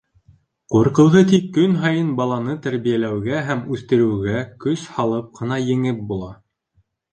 Ҡурҡыуҙы тик көн һайын баланы тәрбиәләүгә һәм үҫтереүгә көс һалып ҡына еңеп була.